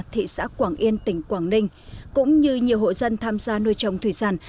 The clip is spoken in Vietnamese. thị xã quảng yên tỉnh quảng ninh cũng như nhiều hộ dân tham gia nuôi trồng thủy sản